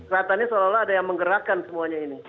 rata rata ada yang menggerakkan semuanya